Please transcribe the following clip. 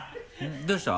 どうした？